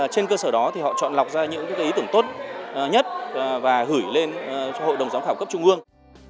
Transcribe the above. trên cơ sở đó họ chọn lọc ra những ý tưởng tốt nhất và hửi lên hội đồng giám khảo cấp trung ương